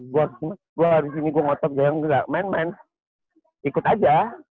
gue disini gue ngotot juga main main ikut aja